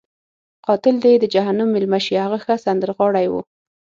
قاتل دې یې د جهنم میلمه شي، هغه ښه سندرغاړی وو.